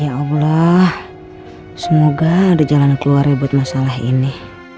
ya allah semoga ada jalan keluar rebut masalah ini